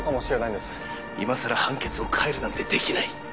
いまさら判決を変えるなんてできない